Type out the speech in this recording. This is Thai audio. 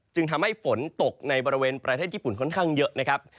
ทำให้ฝนตกในบริเวณประเทศญี่ปุ่นค่อนข้างเยอะนะครับ